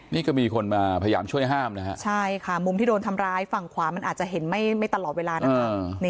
นี่ก็มีคนมาพยายามช่วยห้ามนะฮะใช่ค่ะมุมที่โดนทำร้ายฝั่งขวามันอาจจะเห็นไม่ตลอดเวลานะคะ